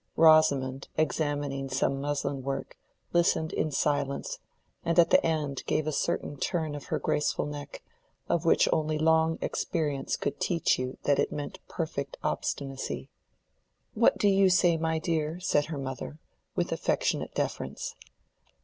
Rosamond, examining some muslin work, listened in silence, and at the end gave a certain turn of her graceful neck, of which only long experience could teach you that it meant perfect obstinacy. "What do you say, my dear?" said her mother, with affectionate deference.